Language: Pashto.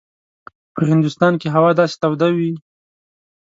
په هندوستان کې هوا داسې توده وي.